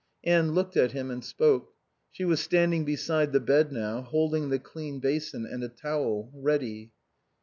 Anne looked at him and spoke. She was standing beside the bed now, holding the clean basin and a towel, ready.